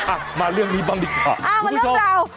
อัมาเรื่องนี้บ้างดีสิเพราะคุณผู้ชมอ่ะแต่เรื่องเรา